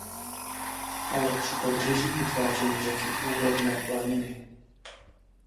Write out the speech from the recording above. Ale při pobřeží vytvářejí řeky úrodné planiny.